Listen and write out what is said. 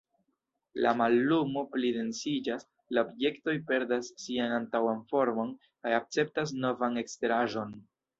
La mallumo plidensiĝas; la objektoj perdas sian antaŭan formon kaj akceptas novan eksteraĵon.